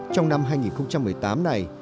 trong năm hai nghìn một mươi tám này